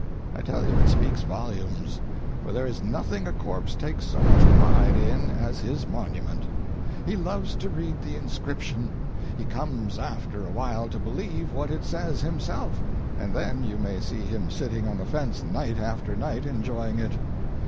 I tell you it speaks volumes, for there is nothing a corpse takes so much pride in as his monument. He loves to read the inscription. He comes after a while to believe what it says himself, and then you may see him sitting on the fence night after night enjoying it.